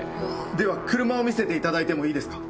では車を見せていただいてもいいですか？